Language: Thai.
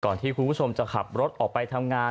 ที่คุณผู้ชมจะขับรถออกไปทำงาน